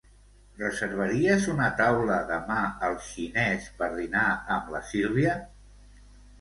Reservaries una taula demà al xinés per dinar amb la Sílvia?